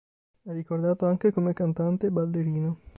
È ricordato anche come cantante e ballerino.